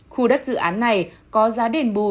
khu đất dự án này có giá đền bù